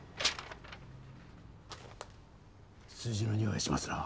数字のにおいがしますな。